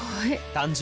誕生！